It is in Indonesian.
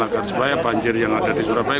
agar supaya banjir yang ada di surabaya